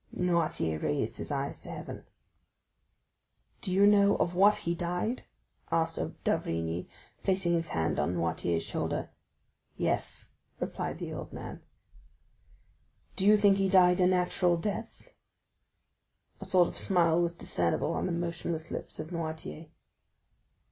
Noirtier raised his eyes to heaven. "Do you know of what he died!" asked d'Avrigny, placing his hand on Noirtier's shoulder. "Yes," replied the old man. "Do you think he died a natural death?" A sort of smile was discernible on the motionless lips of Noirtier.